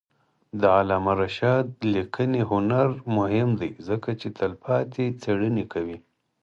د علامه رشاد لیکنی هنر مهم دی ځکه چې تلپاتې څېړنې کوي.